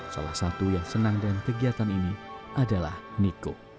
salah satu yang senang dengan kegiatan ini adalah niko